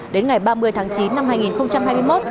đến ngày ba mươi tháng chín năm hai nghìn hai mươi một